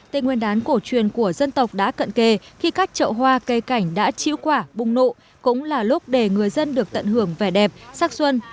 tên nguyên đán cổ truyền của dân tộc đã cận kề khi các trậu hoa cây cảnh đã chĩu quả bùng nụ cũng là lúc để người dân được tận hưởng vẻ đẹp sắc xuân